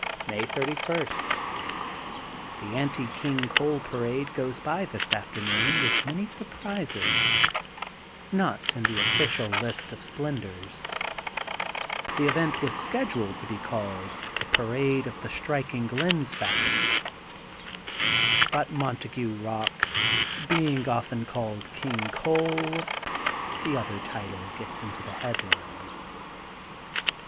May 31 :— The Anti King Coal Parade goes by this afternoon with many surprises, not in the official list of splendors. The event was scheduled to be called: The Parade of the 168 THE GOLDEN BOOK OF SPRINGFIELD Striking Lens Factory *' but Montague Bock being often called King Coal, the other title gets into the headlines.